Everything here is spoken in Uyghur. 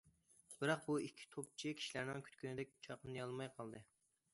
بىراق بۇ ئىككى توپچى كىشىلەرنىڭ كۈتكىنىدەك چاقنىيالماي قالدى.